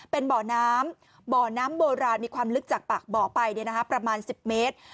เป็นบ่อน้ำบ่อน้ำโบราณมีความลึกจากปากบ่อไปประมาณ๑๐เมตร